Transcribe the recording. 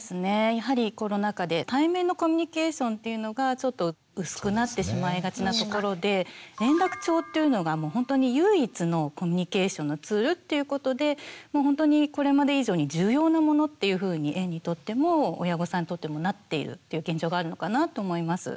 やはりコロナ禍で対面のコミュニケーションっていうのがちょっと薄くなってしまいがちなところで連絡帳っていうのがもうほんとに唯一のコミュニケーションのツールっていうことでもうほんとにこれまで以上に重要なものっていうふうに園にとっても親御さんにとってもなっているっていう現状があるのかなって思います。